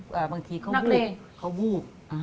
บางทีเขาวูบ